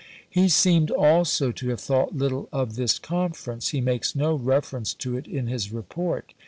He seemed also to have thought little of this conference ; he makes no refer ence to it in his report.